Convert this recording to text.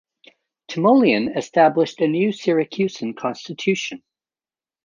Timoleon established a new Syracusan constitution.